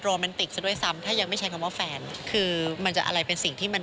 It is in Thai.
แมนติกซะด้วยซ้ำถ้ายังไม่ใช้คำว่าแฟนคือมันจะอะไรเป็นสิ่งที่มัน